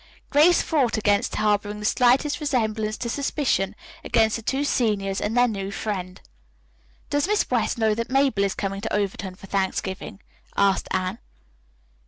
Grace fought against harboring the slightest resemblance to suspicion against the two seniors and their new friend. "Does Miss West know that Mabel is coming to Overton for Thanksgiving?" asked Anne.